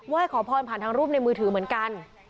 ขอพรผ่านทางรูปในมือถือเหมือนกัน